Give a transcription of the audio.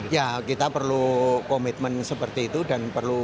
ya kita perlu komitmen seperti itu